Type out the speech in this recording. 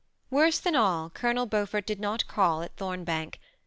Worse than all, Ck>lonel Beaufort did not call at Thombank.